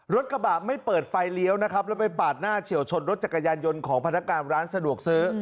รถกระบะไม่เปิดไฟเลี้ยวนะครับแล้วไปปาดหน้าเฉียวชนรถจักรยานยนต์ของพนักการร้านสะดวกซื้อ